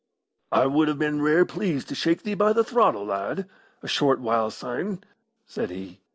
"I would have been rare pleased to shake thee by the throttle, lad, a short while syne," said he.